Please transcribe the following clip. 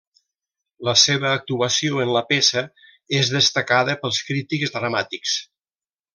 La seva actuació en la peça és destacada pels crítics dramàtics.